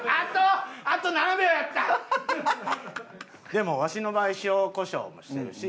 でもわしの場合塩こしょうもしてるし。